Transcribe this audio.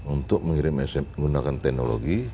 untuk mengirim sm menggunakan teknologi